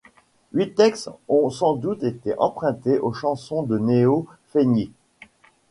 Huit textes ont sans doute été empruntés aux chansons de Noé Faignient.